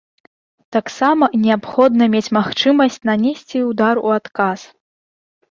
Таксама неабходна мець магчымасць нанесці ўдар у адказ.